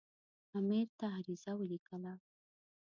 امیر ته عریضه ولیکله.